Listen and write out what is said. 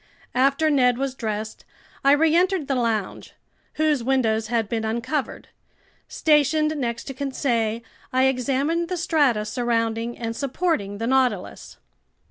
After Ned was dressed, I reentered the lounge, whose windows had been uncovered; stationed next to Conseil, I examined the strata surrounding and supporting the Nautilus.